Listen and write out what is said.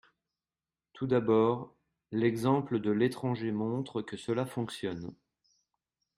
Tout d’abord, l’exemple de l’étranger montre que cela fonctionne.